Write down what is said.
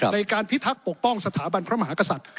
พิทักษ์ปกป้องสถาบันพระมหากษัตริย์